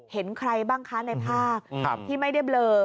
เห็นใครบ้างคะในภาพที่ไม่ได้เบลอ